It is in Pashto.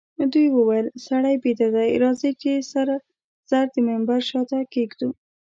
دوی وویل: سړی بیده دئ، راځئ چي سره زر د منبر شاته کښېږدو.